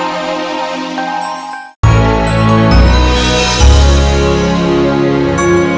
sampai jumpa di video selanjutnya